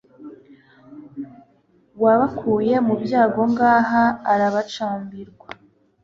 Wabakuye mu byabo Ngaha arabacambirwa*